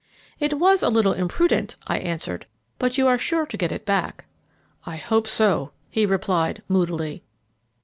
"It was a little imprudent," I answered, "but you are sure to get it back." "I hope so," he replied moodily.